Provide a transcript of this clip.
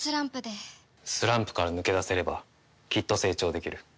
スランプから抜け出せればきっと成長できる。